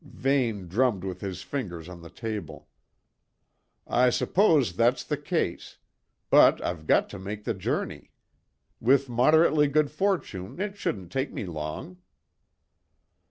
Vane drummed with his fingers on the table. "I suppose that's the case; but I've got to make the journey. With moderately good fortune it shouldn't take me long."